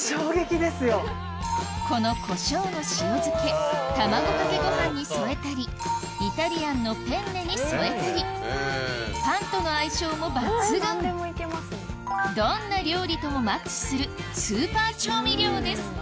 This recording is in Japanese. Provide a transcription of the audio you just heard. この胡椒の塩漬け卵かけご飯に添えたりイタリアンのペンネに添えたりパンとの相性も抜群どんな料理ともマッチするスーパー調味料です